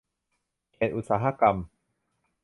เขตอุตสาหกรรม